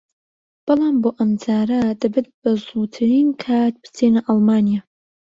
بەڵام بۆ ئەمجارە دەبێت بەزووترین کات بچینە ئەڵمانیا